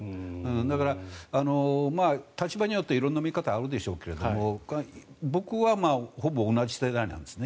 だから、立場によって色んな見方があるでしょうけど僕はほぼ同じ世代なんですね。